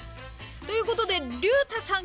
ということでりゅうたさん